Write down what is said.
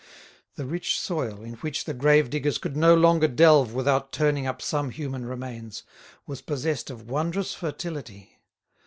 The rich soil, in which the gravediggers could no longer delve without turning up some human remains, was possessed of wondrous fertility.